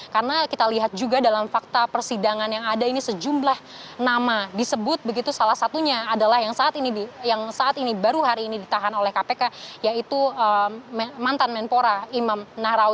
karena kita lihat juga dalam fakta persidangan yang ada ini sejumlah nama disebut begitu salah satunya adalah yang saat ini baru hari ini ditahan oleh kpk yaitu mantan menpora imam nahrawi